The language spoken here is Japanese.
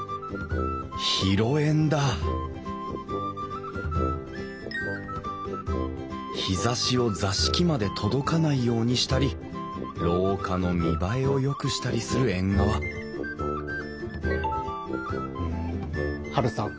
広縁だ日ざしを座敷まで届かないようにしたり廊下の見栄えをよくしたりする縁側ハルさん。